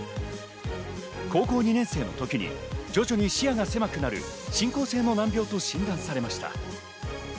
高校２年生の時に徐々に視野が狭くなる進行性の難病と診断されました。